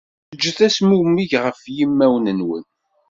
Ǧǧet azmummeg ɣef yimawen-nwen.